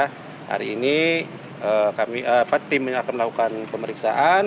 hari ini tim yang akan melakukan pemeriksaan